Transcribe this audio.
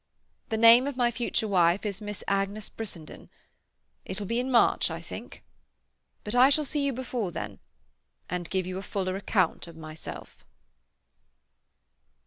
The name of my future wife is Miss Agnes Brissenden. It will be in March, I think. But I shall see you before then, and give you a fuller account of myself."